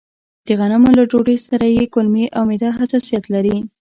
د غنمو له ډوډۍ سره يې کولمې او معده حساسيت لري.